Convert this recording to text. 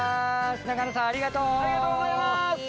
永野さんありがとう！ありがとうございます！